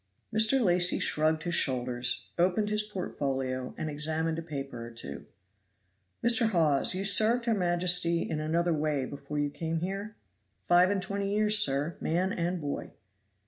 Mr. Lacy shrugged his shoulders, opened his portfolio, and examined a paper or two. "Mr. Hawes, you served her majesty in another way before you came here?" "Five and twenty years, sir, man and boy."